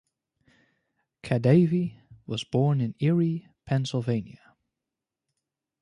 Kadavy was born in Erie, Pennsylvania.